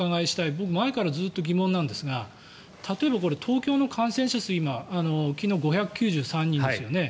僕は前からずっと疑問なんですが例えばこれ、東京の感染者数昨日、５９３人ですよね。